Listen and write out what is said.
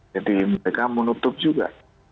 jadi mereka menutup juga